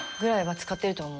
使ってると思う。